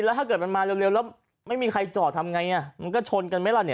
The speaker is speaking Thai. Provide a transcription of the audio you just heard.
ละถ้าเกิดมันมาเร็วแล้วไม่มีใครจอดทำไงนี่